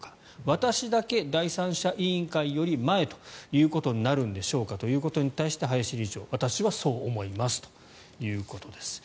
私だけ第三者委員会より前ということになるんでしょうかということに対して林理事長、私はそう思いますということです。